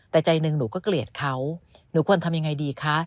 แต่ใจหนึ่งหนูก็เกลียดเขาหนูควรทำยังไงดีคะ